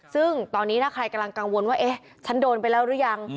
ซึ่งตอนนี้ถ้าใครกำลังกังวลว่าเอ๊ะฉันโดนไปแล้วหรือยัง